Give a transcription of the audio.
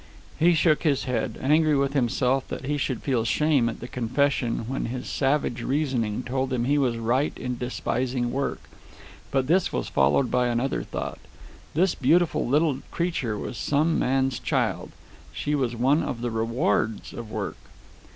He shook his head, angry with himself that he should feel shame at the confession when his savage reasoning told him he was right in despising work. But this was followed by another thought. This beautiful little creature was some man's child. She was one of the rewards of work.